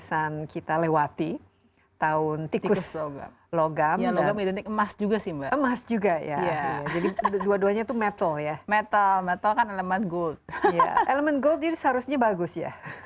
sebenarnya tergantung perpaduan dari siok yang mana yang buruk